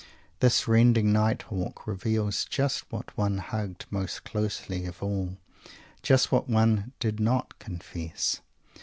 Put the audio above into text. This rending Night Hawk reveals just what one hugged most closely of all just what one did not confess!